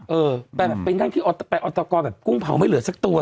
เออไปแบบไปนั่งที่ไปออตกรแบบกุ้งเผาไม่เหลือสักตัว